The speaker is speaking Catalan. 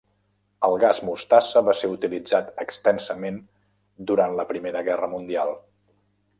El Gas mostassa va ser utilitzat extensament durant la Primera Guerra mundial.